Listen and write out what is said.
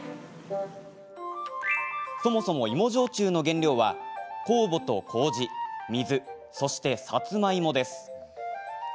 そもそも芋焼酎の原料は酵母、こうじ、水そして、さつまいもです。